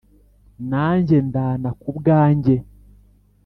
Nanjye ndana ku bwanjye